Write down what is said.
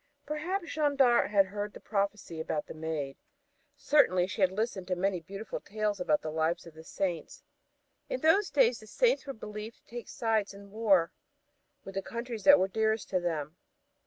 Perhaps Jeanne d'Arc had heard the prophesy about the maid, certainly she had listened to many beautiful tales about the lives of the Saints. In those days the Saints were believed to take sides in war with the countries that were dearest to them.